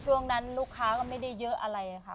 ช่วงนั้นลูกค้าก็ไม่ได้เยอะอะไรค่ะ